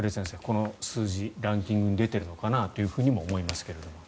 この数字、ランキングに出てるのかなと思いますが。